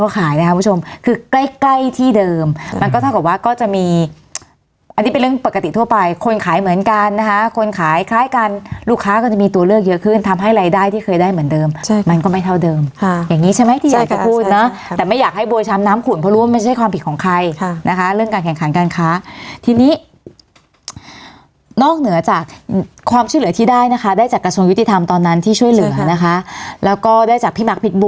เกลียวขึ้นทำให้รายได้ที่เคยได้เหมือนเดิมใช่มันก็ไม่เท่าเดิมค่ะอย่างนี้ใช่ไหมที่อยากก็พูดนะครับแต่ไม่อยากให้โบชัมน้ำขุนเพราะรู้ว่ามันไม่ใช่ความผิดของใครค่ะนะคะเรื่องการแข่งขันการค้าทีนี้นอกเหนือจากความชื่อเหลือที่ได้นะคะได้จากกระทรวงยุติธรรมตอนนั้นที่ช่วยเหลือนะคะแล้วก็ได้จากพี่มาร์คพิษบ